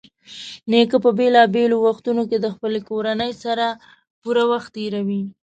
نیکه په بېلابېلو وختونو کې د خپلې کورنۍ سره پوره وخت تېروي.